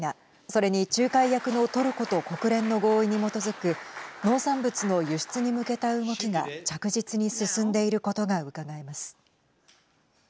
それに仲介役のトルコと国連の合意に基づく農産物の輸出に向けた動きが着実に進んでいることがうかがえます。